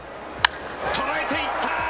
捉えていった！